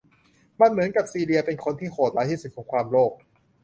มันเหมือนกับซีเลียเป็นคนที่โหดร้ายที่สุดของความโลภ